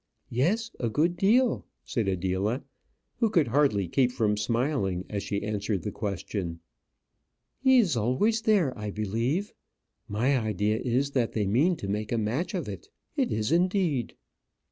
"Yes, a good deal," said Adela, who could hardly keep from smiling as she answered the question. "He is always there, I believe. My idea is, that they mean to make a match of it. It is, indeed."